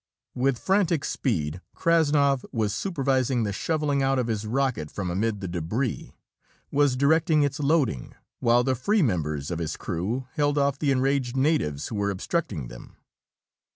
With frantic speed, Krassnov was supervising the shoveling out of his rocket from amid the debris; was directing its loading, while the free members of his crew held off the enraged natives who were obstructing them.